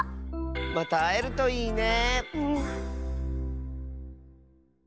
またあえるといいね。